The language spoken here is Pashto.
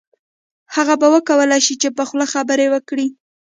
هغه به وکولای شي چې په خوله خبرې وکړي